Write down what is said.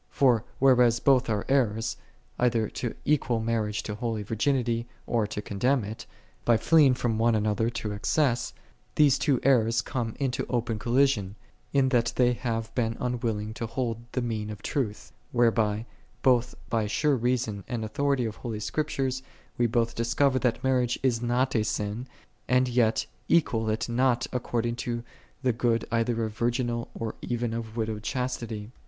For whereas both are errors, either to equal mar riage to holy virginity, or to condemn it: by fleeing from one another to excess, these two errors come into open collision, in that they have been unwilling to hold the mean of truth: whereby, both by sure reason and authority of holy Scriptures, we both discover that mar riage is not a sin, and yet equal it not to the good either of virginal or even of widowed chastity.